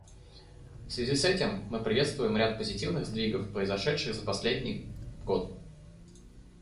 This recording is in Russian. В связи с этим мы приветствуем ряд позитивных сдвигов, произошедших за последний год.